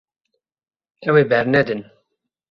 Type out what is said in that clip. Ew ê bernedin.